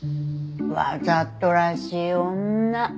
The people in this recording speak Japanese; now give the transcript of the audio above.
わざとらしい女。